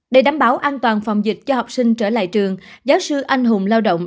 để đảm bảo an toàn phòng dịch cho học sinh trở lại trường giáo sư anh hùng lao động